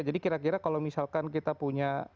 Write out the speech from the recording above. jadi kira kira kalau misalkan kita punya